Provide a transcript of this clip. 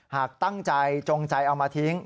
หากตั้งใจจงใจเอามาทิ้ง